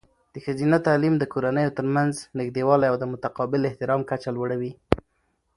د ښځینه تعلیم د کورنیو ترمنځ نږدېوالی او د متقابل احترام کچه لوړوي.